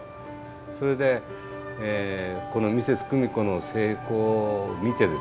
それでこのミセスクミコの成功を見てですね